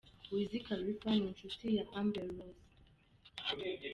Wiz Khalifa n’inshuti ye Amber Rose.